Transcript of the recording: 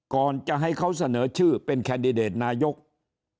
ก่อนจะให้เขาเสนอชื่อเป็นแคนดิเดตนายก